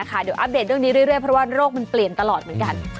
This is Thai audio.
เดี๋ยวอัพเดทเรื่อยเพราะว่าโรคมันเปลี่ยนตลอดเหมือนกัน